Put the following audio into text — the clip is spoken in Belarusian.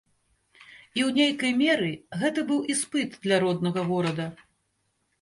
І ў нейкай меры гэта быў іспыт для роднага горада.